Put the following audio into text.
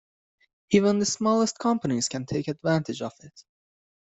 Even the smallest companies can take advantage of it.